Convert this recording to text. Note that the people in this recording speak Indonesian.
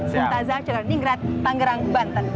sampai jumpa di tangerang banten